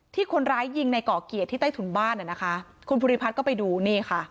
คนร้ายยิงในก่อเกียรติที่ใต้ถุนบ้านอ่ะนะคะคุณภูริพัฒน์ก็ไปดูนี่ค่ะ